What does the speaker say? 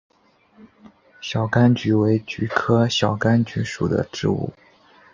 小甘菊为菊科小甘菊属的植物。